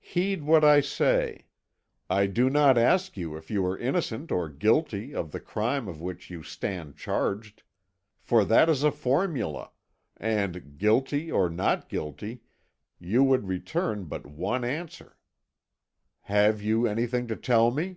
"Heed what I say. I do not ask you if you are innocent or guilty of the crime of which you stand charged, for that is a formula and, guilty or not guilty, you would return but one answer. Have you anything to tell me?"